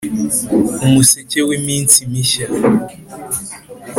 umuseke w'iminsi mishya.